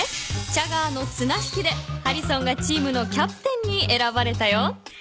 チャガーのつなひきでハリソンがチームのキャプテンにえらばれたよ。